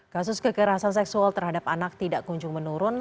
kasus kekerasan seksual terhadap anak tidak kunjung menurun